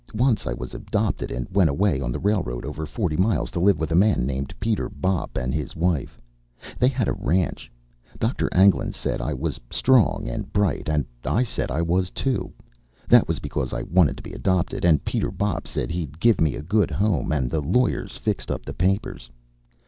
Once I was adopted, and went away on the railroad over forty miles to live with a man named Peter Bopp and his wife. They had a ranch. Doctor Anglin said I was strong and bright, and I said I was, too. That was because I wanted to be adopted. And Peter Bopp said he'd give me a good home, and the lawyers fixed up the papers.